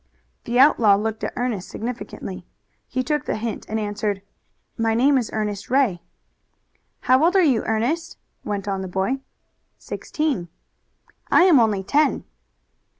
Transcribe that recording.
The outlaw looked at Ernest significantly. He took the hint and answered: "My name is Ernest Ray." "How old are you, Ernest?" went on the boy. "Sixteen." "I am only ten."